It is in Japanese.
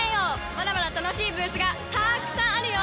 まだまだ楽しいブースがたくさんあるよ。